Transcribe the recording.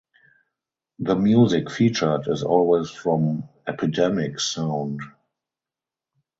The music featured is always from Epidemic Sound.